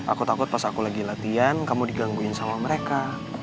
aku takut pas aku lagi latihan kamu digangguin sama mereka